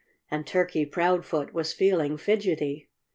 And Turkey Proudfoot was feeling fidgetty.